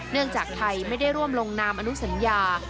จากไทยไม่ได้ร่วมลงนามอนุสัญญา